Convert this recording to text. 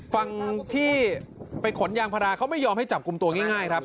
ฝั่งที่ไปขนยางพาราเขาไม่ยอมให้จับกลุ่มตัวง่ายครับ